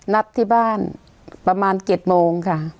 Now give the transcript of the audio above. นัดที่บ้านประมาณ๗โมงค่ะ